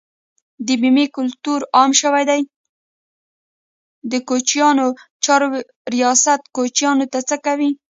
د کوچیانو چارو ریاست کوچیانو ته څه کوي؟